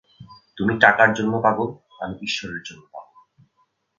তুমি টাকার জন্য পাগল, আমি ঈশ্বরের জন্য পাগল।